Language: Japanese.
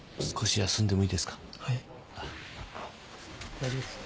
大丈夫ですか？